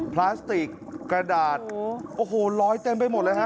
พลาสติกกระดาษโอ้โหลอยเต็มไปหมดเลยฮะ